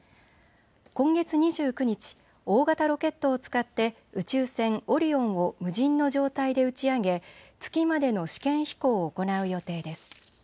今月２９日、大型ロケットを使って宇宙船オリオンを無人の状態で打ち上げ、月までの試験飛行を行う予定です。